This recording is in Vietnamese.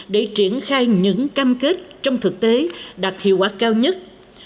để triển khai những cam kết trong thực tế đạt hiệu quả cao nhất